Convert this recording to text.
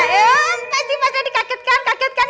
pasti mas randy kaget kan kaget kan